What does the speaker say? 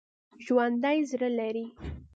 ژوندي زړه لري